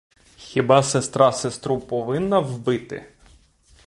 Хіба сестра сестру повинна вбити?